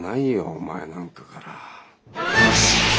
お前なんかから。